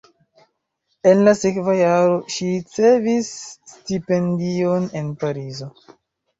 En la sekva jaro ŝi ricevis stipendion en Parizo.